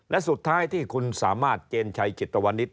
และสุดท้ายที่คุณสามารถเจนชัยจิตวนิษฐ